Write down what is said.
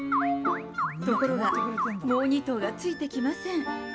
ところが、もう２頭がついてきません。